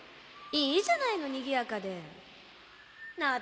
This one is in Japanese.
いいじゃないのにぎやかで・